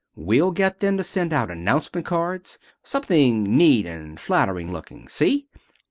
We'll get them to send out announcement cards. Something neat and flattering looking. See?